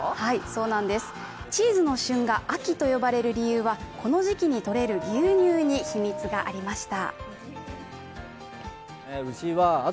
そうなんです、チーズの旬が秋といわれる理由はこの時期にとれる牛乳に秘密がありました。